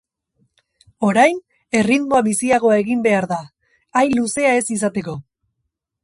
Orain, erritmoa biziagoa egin behar da, hain luzea ez izateko.